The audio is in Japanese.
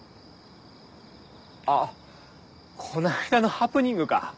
あっこの間のハプニングか。